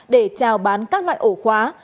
để trào bán các loại ổ khóa